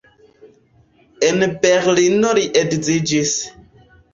En Berlino li edziĝis.